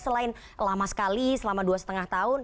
selain lama sekali selama dua lima tahun